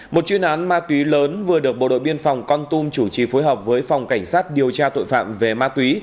một chuyên án ma túy lớn vừa được bộ đội biên phòng con tum chủ trì phối hợp với phòng cảnh sát điều tra tội phạm về ma túy